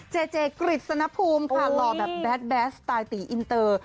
เจเจกฤษณภูมิค่ะหล่อแบบแดดแดดสไตล์ตีอินเตอร์